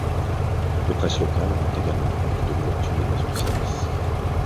Les presses locales rendent également compte de l'ouverture des maisons de service.